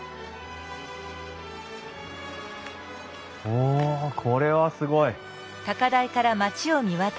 おこれはすごい。